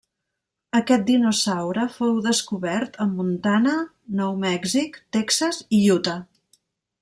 Aquest dinosaure fou descobert a Montana, Nou Mèxic, Texas i Utah.